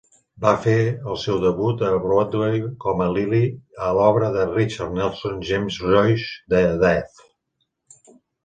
Va fer el seu debut a Broadway com a Lily a l'obra de Richard Nelson "James Joyce's The Dead".